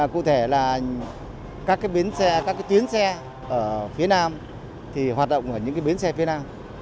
cụ thể là các tuyến xe ở phía nam thì hoạt động ở những cái bến xe phía nam